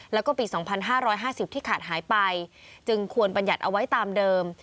แล้วก็ปี๒๕๕๐ที่ขาดหายไปจึงควรบรรยัติเอาไว้ตามเดิม